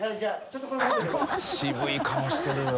渋い顔してるよ。